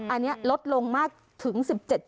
อันนี้ลดลงมากถึง๑๗